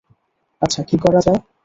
আচ্ছা, কি করা যায়?